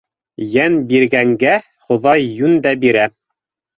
Йән биргәнгә Хоҙай йүн дә бирә...